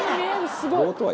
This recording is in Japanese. すごい。